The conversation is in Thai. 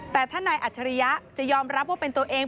แต่ถ้านายอัจฉริยะจะยอมรับว่าเป็นตัวเอง